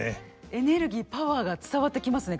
エネルギーパワーが伝わってきますね